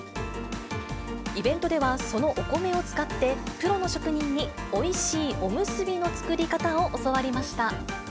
イベントでは、そのお米を使って、プロの職人においしいおむすびの作り方を教わりました。